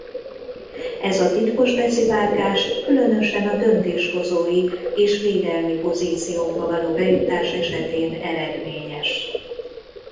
Ez a titkos beszivárgás különösen a döntéshozói és védelmi pozíciókba való bejutás esetén eredményes.